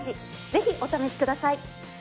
ぜひお試しください。